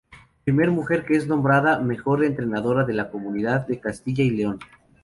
Primera mujer que es nombrada mejor entrenadora en la comunidad de Castilla y León.